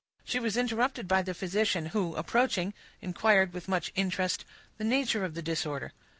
She was interrupted by the physician, who, approaching, inquired, with much interest, the nature of the disorder.